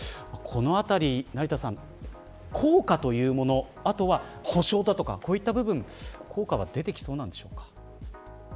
このあたり、成田さん効果というもの、あとは補償とかこういった部分効果は出てきそうなんでしょうか。